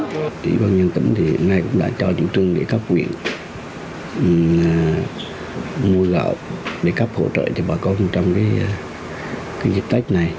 chỉ bằng nhân tính thì hôm nay cũng đã cho chủ trương để cấp quyền mua gạo để cấp hỗ trợ cho bà con trong dịp tết này